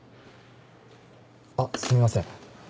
あっすみません。